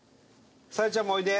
沙夜ちゃんもおいで。